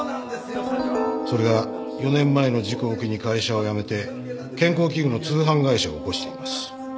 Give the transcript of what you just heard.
それが４年前の事故を機に会社を辞めて健康器具の通販会社を興しています。